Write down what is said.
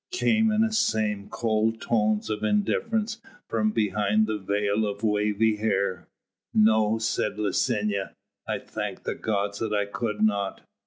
came in the same cold tones of indifference from behind the veil of wavy hair. "No!" said Licinia. "I thank the gods that I could not.